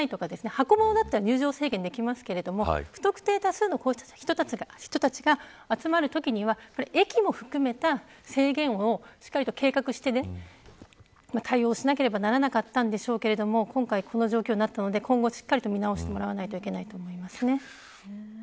箱物なら入場制限ができますが不特定多数の人たちが集まるときには駅も含めた制限をしっかりと計画して対応しなければいけなかったんでしょうけれど今回、この状況になったので今後しっかりと見直してもらわなければいけないと思います。